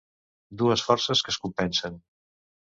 Dues forces que es compensen.